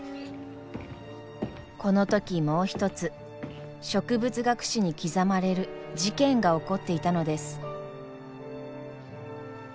この時もう一つ植物学史に刻まれる事件が起こっていたのです。